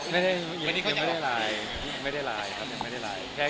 ไม่ได้ไม่ได้ไลน์ครับยังไม่ได้ไลน์